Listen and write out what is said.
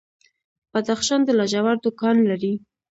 بدخشان د لاجوردو کان لري